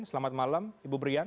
selamat malam ibu brian